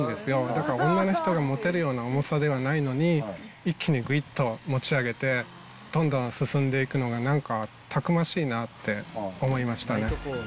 だから女の人が持てるような重さではないのに、一気にぐいっと持ち上げて、どんどん進んでいくのがなんか、たくましいなって思いましたね。